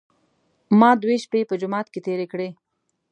ما دوې شپې په جومات کې تېرې کړې.